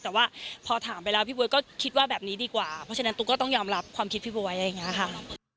แต่ว่าพอถามไปแล้วพี่บ๊วยก็คิดว่าแบบนี้ดีกว่าเพราะฉะนั้นตุ๊กก็ต้องยอมรับความคิดพี่บ๊วยอะไรอย่างนี้ค่ะ